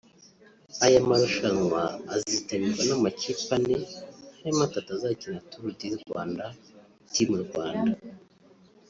Aya marushanwa azitabirwa n’amakipe ane harimo atatu azakina Tour du Rwanda (Team Rwanda